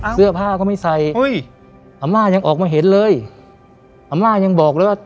เสื้อผ้าก็ไม่ใส่อาม่ายังออกมาเห็นเลยอาม่ายังบอกเลยว่า